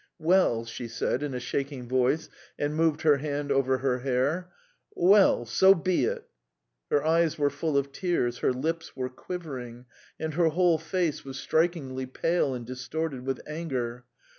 "Well," she said in a shaking voice, and moved her hand over her hair. "Well, so be it." Her eyes were full of tears, her lips were quivering, and her whole face was strikingly pale and distorted with anger.